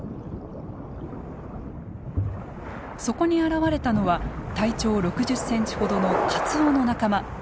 そこに現れたのは体長６０センチほどのカツオの仲間。